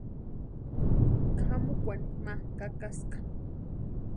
Kʼamukwani ma kakaska.